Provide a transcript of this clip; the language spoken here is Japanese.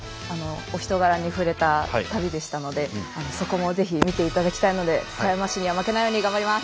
お人柄に触れた旅でしたのでそこもぜひ見ていただきたいので狭山市には負けないように頑張ります。